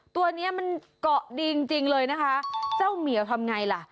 ตัวเนี้ยมันเกาะดีจริงจริงเลยนะคะเจ้าเหมียวทำไงล่ะ